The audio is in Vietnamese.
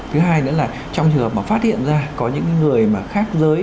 thứ hai nữa là trong trường hợp mà phát hiện ra có những người mà khác giới